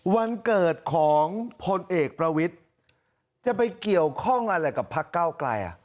วันเกิดของพลเอกประวิทย์จะไปเกี่ยวข้องอะไรกับพักเก้าไกล